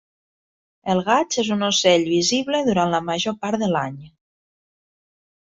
El gaig és un ocell visible durant la major part de l'any.